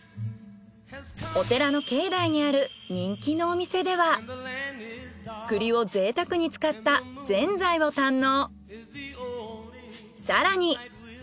お寺の境内にある人気のお店では栗を贅沢に使ったぜんざいを堪能。